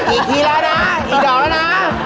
อีกทีแล้วนะอีกดอกแล้วนะ